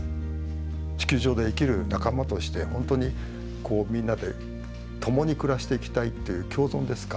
地球上で生きる仲間として本当にこうみんなで共に暮らしていきたいっていう共存ですか。